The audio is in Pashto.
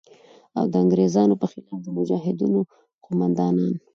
او د انگریزانو په خلاف د مجاهدینو قوماندان